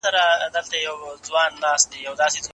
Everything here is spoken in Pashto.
بلکي ولسونه ئې په مبارزو او مقاومتونو هم بوخت دي.